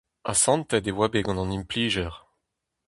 Asantet e oa bet gant an implijer.